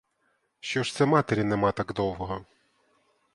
Що ж це матері нема так довго?